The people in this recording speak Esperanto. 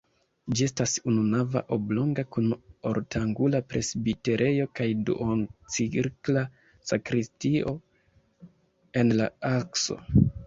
Ĝi estas ununava, oblonga kun ortangula presbiterejo kaj duoncirkla sakristio en la akso.